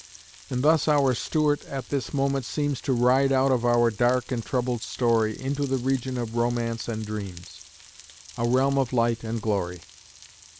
And thus our Stuart at this moment seems To ride out of our dark and troubled story Into the region of romance and dreams, A realm of light and glory.